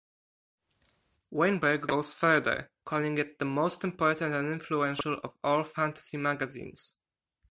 Weinberg goes further, calling it "the most important and influential of all fantasy magazines".